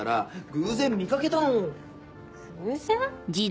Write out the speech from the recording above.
偶然？